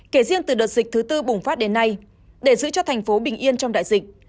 kể riêng từ đợt dịch thứ tư bùng phát đến nay để giữ cho thành phố bình yên trong đại dịch